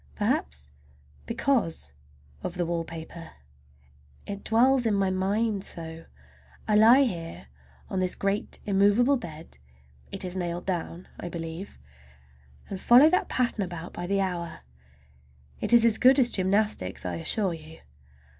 Perhaps because of the wallpaper. It dwells in my mind so! I lie here on this great immovable bed—it is nailed down, I believe—and follow that pattern about by the hour. It is as good as gymnastics, I assure you.